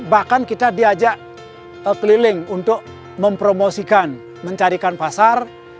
bahkan kita diajak keliling untuk mempromosikan mencarikan pasar